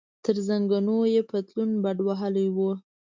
تر زنګنو یې پتلون بډ وهلی و.